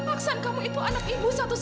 aksan kamu itu anak ibu satu